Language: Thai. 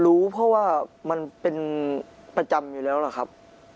รู้เพราะว่ามันเป็นประจำอยู่แล้วล่ะครับ